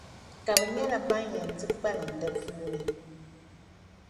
ka bɛ nyɛla ban yɛn ti kpalim di puuni,